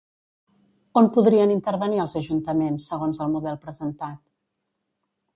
On podrien intervenir els ajuntaments, segons el model presentat?